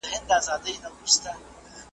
د ملي هویت معمار